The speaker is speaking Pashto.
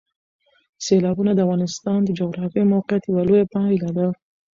سیلابونه د افغانستان د جغرافیایي موقیعت یوه لویه پایله ده.